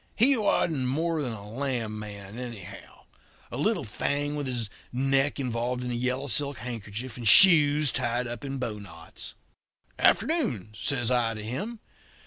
he wasn't more than a lamb man, anyhow a little thing with his neck involved in a yellow silk handkerchief, and shoes tied up in bowknots. "'Afternoon!' says I to him.